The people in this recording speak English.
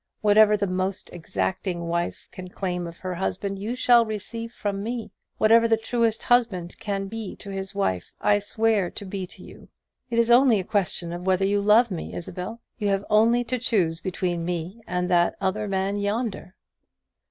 Whatever the most exacting wife can claim of her husband, you shall receive from me. Whatever the truest husband can be to his wife, I swear to be to you. It is only a question of whether you love me, Isabel. You have only to choose between me and that man yonder."